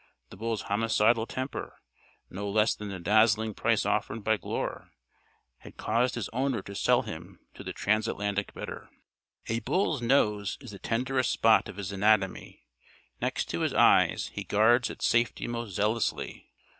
The bull's homicidal temper, no less than the dazzling price offered by Glure, had caused his owner to sell him to the transatlantic bidder. A bull's nose is the tenderest spot of his anatomy. Next to his eyes, he guards its safety most zealously.